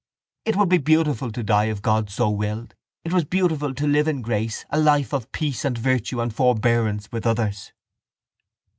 It would be beautiful to die if God so willed. It was beautiful to live in grace a life of peace and virtue and forbearance with others.